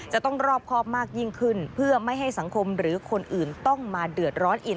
จะต้องรอบครอบมากยิ่งขึ้นเพื่อไม่ให้สังคมหรือคนอื่นต้องมาเดือดร้อนอีก